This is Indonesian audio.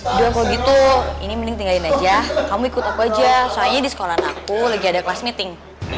udah kalo gitu ini mending tinggalin aja kamu ikut aku aja soalnya di sekolah anakku lagi ada class meeting